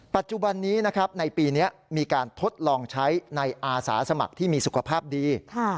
ปัจจุบันนี้นะครับในปีนี้มีการทดลองใช้ในอาสาสมัครที่มีสุขภาพดี